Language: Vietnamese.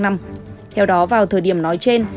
theo đó vào thời điểm nói trên